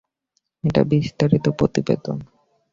একটা বিস্তারিত প্রতিবেদন।